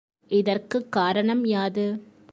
இதற்குக் காரணம் யாது?